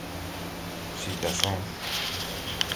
citações